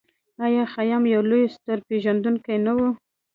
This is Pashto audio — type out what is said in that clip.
آیا خیام یو لوی ستورپیژندونکی نه و؟